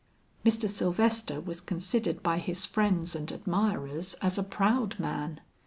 Mr. Sylvester was considered by his friends and admirers as a proud man.